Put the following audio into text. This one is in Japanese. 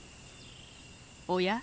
おや？